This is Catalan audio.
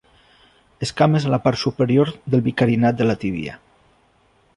Escames a la part superior del bicarinat de la tíbia.